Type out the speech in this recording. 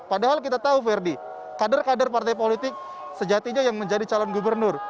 padahal kita tahu verdi kader kader partai politik sejatinya yang menjadi calon gubernur